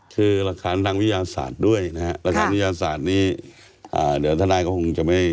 คือหลักฐานทางวิทยาศาสตร์ด้วยนะฮะหลักฐานวิทยาศาสตร์นี้เดี๋ยวทนายก็คงจะไม่